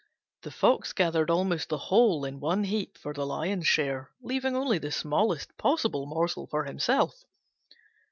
The Fox gathered almost the whole in one great heap for the Lion's share, leaving only the smallest possible morsel for himself.